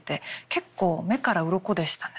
結構目からうろこでしたね。